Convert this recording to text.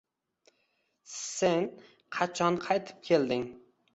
S-sen, qachon qaytib kelding